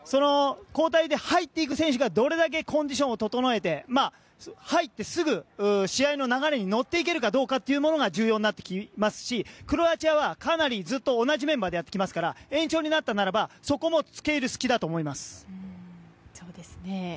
交代で入っていく選手がどれだけコンディションを整えて入ってすぐ、試合の流れに乗っていけるかどうかが重要になってきますしクロアチアはかなりずっと同じメンバーでやってきていますから延長になったならばそこもつけ入る隙だと思います。